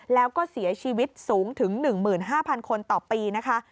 แล้วก็เสียชีวิตสูงถึง๑๕๐๐คนต่อปีนะคะ